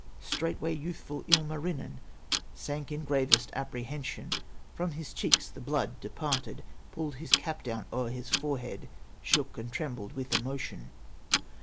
Straightway youthful Ilmarinen Sank in gravest apprehension, From his cheeks the blood departed; Pulled his cap down o'er his forehead, Shook and trembled with emotion.